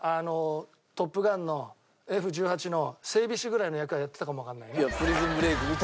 Ｆ１８の整備士ぐらいの役はやってたかもわかんないよな。